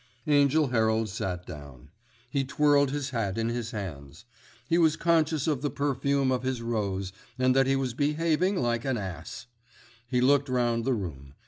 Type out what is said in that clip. Angell Herald sat down. He twirled his hat in his hands. He was conscious of the perfume of his rose, and that he was behaving like an ass. He looked round the room.